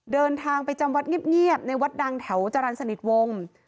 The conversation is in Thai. เดินทางไปจำวัดเงียบในวัดดังแถวจรรย์สนิทวงศ์